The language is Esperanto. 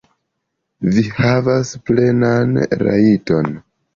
Vi havas plenan rajton.